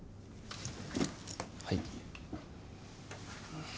はい。